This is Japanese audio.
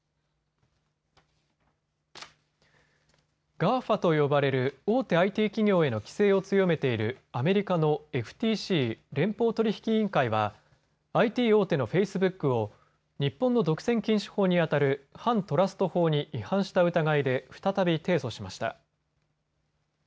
ＧＡＦＡと呼ばれる大手ＩＴ企業への規制を強めているアメリカのＦＴＣ・連邦取引委員会は、ＩＴ大手のフェイスブックを日本の独占禁止法に当たる反トラスト法に違反した疑いで再び提訴しました。